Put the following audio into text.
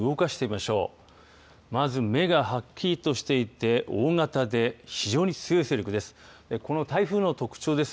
まず目がはっきりとしていて大型で非常に強い勢力です。